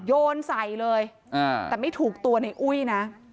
โยนใส่เลยแต่ไม่ถูกตัวในอุ้ยนะ